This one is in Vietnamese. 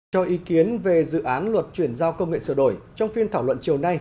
cho ý kiến về dự án luật chuyển giao công nghệ sửa đổi trong phiên thảo luận chiều nay